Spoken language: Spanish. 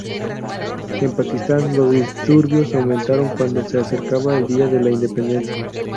En Pakistán, los disturbios aumentaron cuando se acercaba el día de la independencia.